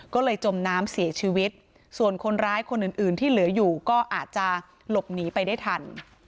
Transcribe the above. ก็เลยจมน้ำเสียชีวิตส่วนคนร้ายคนอื่นอื่นที่เหลืออยู่ก็อาจจะหลบหนีไปได้ทัน